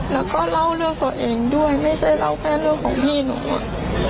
แล้วก็เล่าเรื่องตัวเองด้วยไม่ใช่เล่าแค่เรื่องของพี่หนูอะ